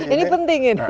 ini penting ya nih